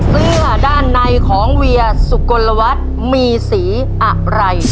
เสื้อด้านในของเวียสุกลวัฒน์มีสีอะไร